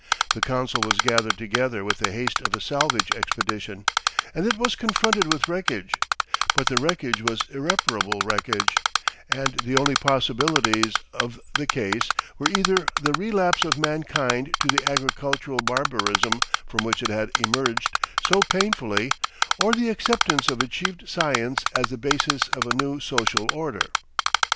The council was gathered together with the haste of a salvage expedition, and it was confronted with wreckage; but the wreckage was irreparable wreckage, and the only possibilities of the case were either the relapse of mankind to the agricultural barbarism from which it had emerged so painfully or the acceptance of achieved science as the basis of a new social order.